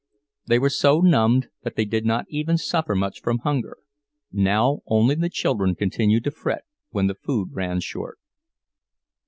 They were so numbed that they did not even suffer much from hunger, now; only the children continued to fret when the food ran short.